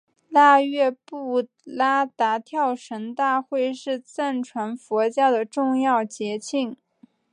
腊月布拉达跳神大会是藏传佛教的重要节庆。